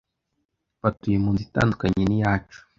Batuye munzu itandukanye niyacu.